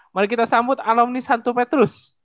mari kita sambut alumnis santo petrus